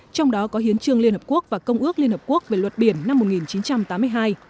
trong đó có hiến trương liên hợp quốc và công ước liên hợp quốc về luật biển năm một nghìn chín trăm tám mươi hai